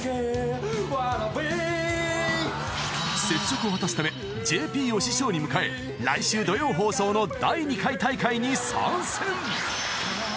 ［雪辱を果たすためＪＰを師匠に迎え来週土曜放送の第２回大会に参戦！］